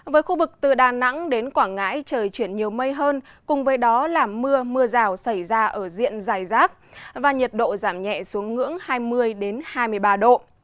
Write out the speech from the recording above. với khu vực từ đà nẵng đến quảng ngãi trời chuyển nhiều mây hơn cùng với đó là mưa mưa rào xảy ra ở diện dài rác và nhiệt độ giảm nhẹ xuống ngưỡng hai mươi hai mươi ba độ